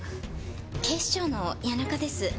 警視庁の谷中です。